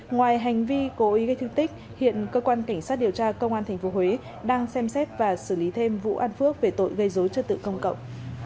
ngoài hành vi cố ý gây thương tích hiện cơ quan cảnh sát điều tra công an tp huế đang xem xét và xử lý thêm vũ an phước về tội gây dối trật tự công cộng